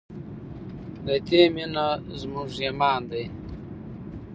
د دې مینه زموږ ایمان دی؟